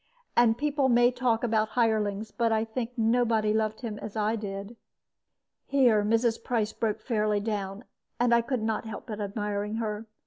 And people may talk about hirelings, but I think nobody loved him as I did." Here Mrs. Price broke fairly down, and I could not help admiring her.